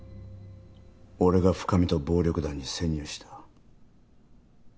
俺が深海と暴力団に潜入した。